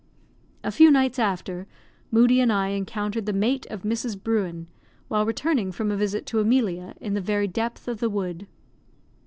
A few nights after, Moodie and I encountered the mate of Mrs. Bruin, while returning from a visit to Emilia, in the very depth of the wood.